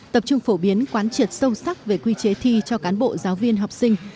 tập trung phổ biến quán triệt sâu sắc về quy chế thi cho cán bộ giáo viên học sinh